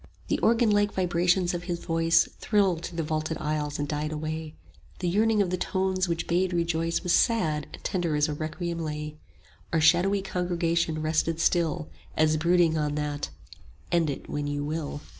The organ like vibrations of his voice 85 Thrilled through the vaulted aisles and died away; The yearning of the tones which bade rejoice Was sad and tender as a requiem lay: Our shadowy congregation rested still As brooding on that "End it when you will."